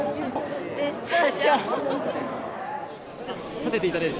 立てていただいて。